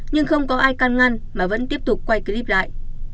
nhưng không có ai can ngăn mà vẫn tiếp tục quay clip lại